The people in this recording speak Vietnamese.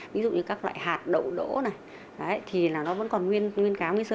ví dụ như các loại hạt đậu đỗ này thì nó vẫn còn nguyên cám nguyên sơ